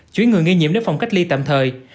chuyển người nghi nhiễm đến phòng cách ly tạm thời